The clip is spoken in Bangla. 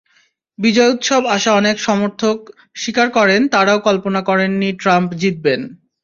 বিজয়োৎসবে আসা অনেক সমর্থক স্বীকার করেন, তাঁরাও কল্পনা করেননি ট্রাম্প জিতবেন।